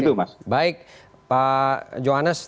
terima kasih pak joanes